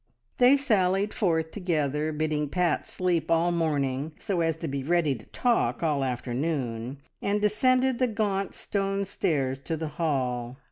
They sallied forth together, bidding Pat sleep all morning so as to be ready to talk all afternoon, and descended the gaunt stone stairs to the hall.